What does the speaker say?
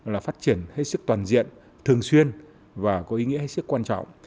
là phát triển hết sức toàn diện thường xuyên và có ý nghĩa hết sức quan trọng